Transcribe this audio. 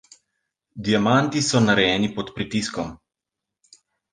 Diamanti so narejeni pod pritiskom.